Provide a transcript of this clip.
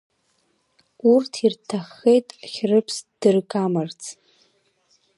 Урҭ ирҭаххеит, Хьрыԥс ддыргамарц.